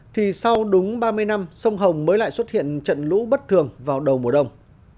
thì sau đúng ba mươi năm sông hồng mới lại xuất hiện trận lũ bất thường vào đầu mùa đông